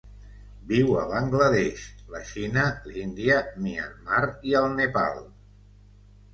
Viu a Bangla Desh, la Xina, l'Índia, Myanmar i el Nepal.